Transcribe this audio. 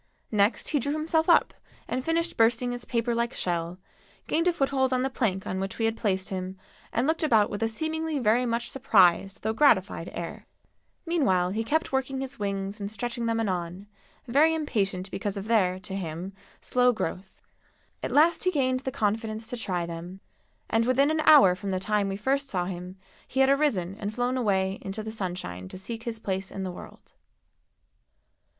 Next he drew himself up and finished bursting his paper like shell, gained a foothold on the plank on which we had placed him and looked about with a, seemingly, very much surprised though gratified air. Meanwhile he kept working his wings and stretching them anon, very impatient because of their, to him, slow growth. At last he gained the confidence to try them, and within an hour from the time we first saw him he had arisen and flown away into the sunshine to seek his place in the world.